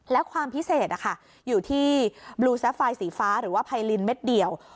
และความพิเศษอยู่ที่บลูแซฟไฟล์สีฟ้าหรือว่าไพรินเม็ดเดียว